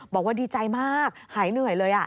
บอกว่าดีใจมากหายเหนื่อยเลย